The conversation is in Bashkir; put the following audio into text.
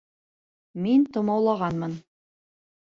Мин тымаулағанмын.